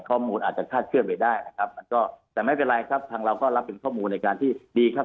ข้อมูลอาจจะคาดเคลื่อนไปได้นะครับมันก็แต่ไม่เป็นไรครับทางเราก็รับเป็นข้อมูลในการที่ดีครับ